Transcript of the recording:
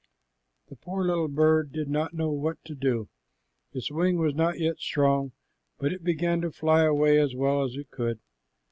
The poor little bird did not know what to do. Its wing was not yet strong, but it began to fly away as well as it could.